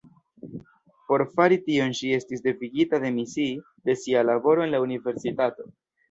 Por fari tion ŝi estis devigita demisii de sia laboro en la universitato.